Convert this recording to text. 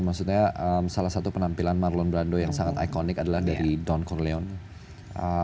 maksudnya salah satu penampilan marlon brando yang sangat iconic adalah dari don corleone